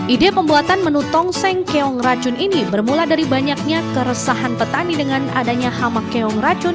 ide pembuatan menu tongseng keong racun ini bermula dari banyaknya keresahan petani dengan adanya hama keong racun